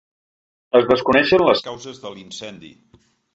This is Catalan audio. Es desconeixen les causes de l’incendi.